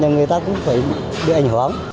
thì người ta cũng phải định